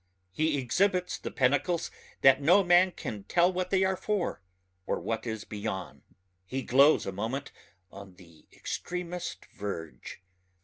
he exhibits the pinnacles that no man can tell what they are for or what is beyond ... he glows a moment on the extremest verge.